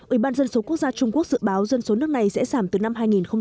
ủy ban dân số quốc gia trung quốc dự báo dân số nước này sẽ giảm từ năm hai nghìn hai mươi